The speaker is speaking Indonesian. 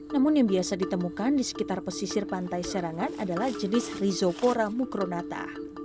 namun yang biasa ditemukan di sekitar pesisir pantai serangan adalah jenis risopora mukronata